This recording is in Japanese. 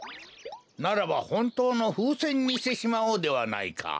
ならばほんとうのふうせんにしてしまおうではないか。